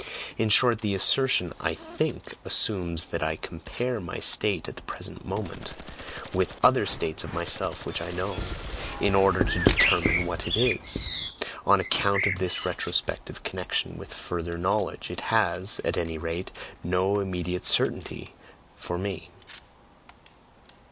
In short, the assertion 'I think,' assumes that I COMPARE my state at the present moment with other states of myself which I know, in order to determine what it is; on account of this retrospective connection with further 'knowledge,' it has, at any rate, no immediate certainty for me."